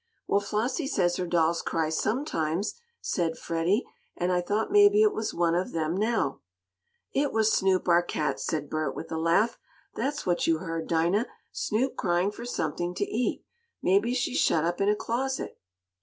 "Well, Flossie says her dolls cry, sometimes," said Freddie, "and I thought maybe It was one of them now." "It was Snoop, our cat," said Bert, with a laugh. "That's what you heard, Dinah, Snoop crying for something to eat. Maybe she's shut up in a closet."